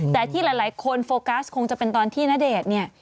แต่ที่หลายคนโฟกัสคงจะเป็นตอนที่ณเดชน์เนี่ย